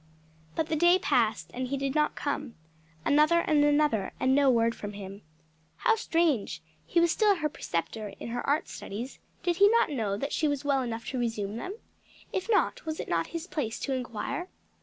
But the day passed and he did not come; another and another, and no word from him. How strange! he was still her preceptor in her art studies; did he not know that she was well enough to resume them? If not, was it not his place to inquire?